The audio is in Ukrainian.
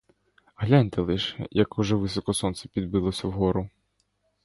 Гляньте лиш, як уже високо сонце підбилося вгору!